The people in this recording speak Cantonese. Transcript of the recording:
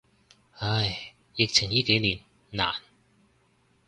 唉，疫情依幾年，難。